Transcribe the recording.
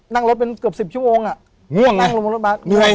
นั่งลงรถบ้าน